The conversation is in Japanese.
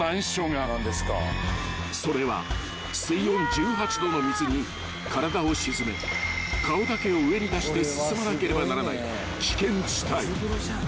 ［それは水温１８℃の水に体を沈め顔だけを上に出して進まなければならない危険地帯］